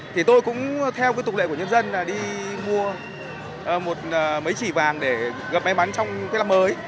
thì tôi cũng theo tục lệ của nhân dân đi mua mấy chỉ vàng để gặp may mắn trong cái năm mới